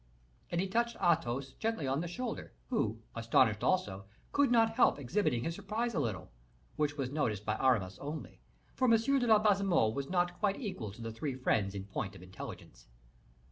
And he touched Athos gently on the shoulder, who, astonished also, could not help exhibiting his surprise a little; which was noticed by Aramis only, for M. de Baisemeaux was not quite equal to the three friends in point of intelligence.